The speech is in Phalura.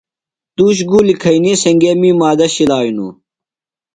تُوش گُولیۡ کھئینی سنگئے می میدہ شِلیانوۡ۔